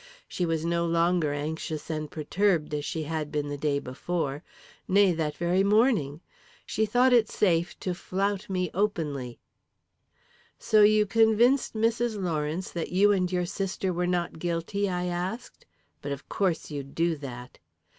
She was no longer anxious and perturbed, as she had been the day before nay, that very morning. She thought it safe to flout me openly. "So you convinced Mrs. Lawrence that you and your sister were not guilty?" I asked. "But of course you'd do that!"